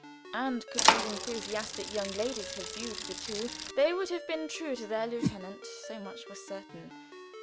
And could these enthusiastic young ladies have viewed the two they would have been true to their lieutenant; so much was certain.